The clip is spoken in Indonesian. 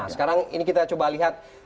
sekarang ini kita coba lihat